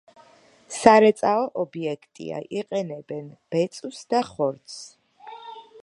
სარეწაო ობიექტია, იყენებენ ბეწვს და ხორცს.